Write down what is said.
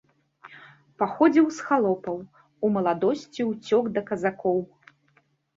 Паходзіў з халопаў, у маладосці ўцёк да казакоў.